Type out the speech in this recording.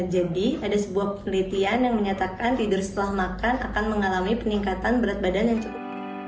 jadi ada sebuah penelitian yang menyatakan tidur setelah makan akan mengalami peningkatan berat badan yang cukup